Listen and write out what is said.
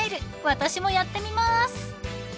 ［私もやってみまーす］